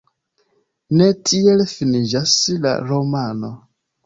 Ne tiel finiĝas la romano.